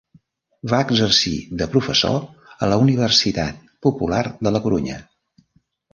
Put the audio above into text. Va exercir de professor a la Universitat Popular de La Corunya.